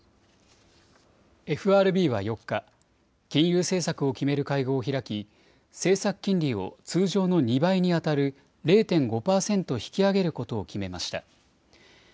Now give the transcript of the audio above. ＦＲＢは４日、金融政策を決める会合を開き、政策金利を通常の２倍に当たる０．５％引き上げることを決めました。